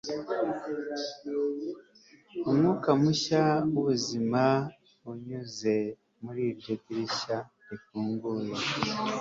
umwuka mushya w'ubuzima unyuze muri iryo dirishya rifunguye